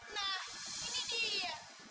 nah ini dia